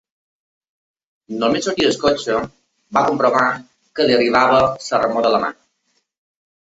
Només sortir del cotxe va comprovar que li arribava la remor del mar.